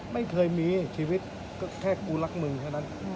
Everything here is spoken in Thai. ไม่เคยมีชีวิตแค่กูรักมือเฉพาะนั้น